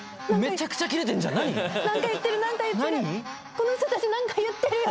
この人たち何か言ってるよ！